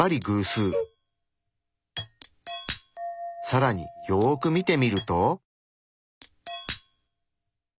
さらによく見てみると。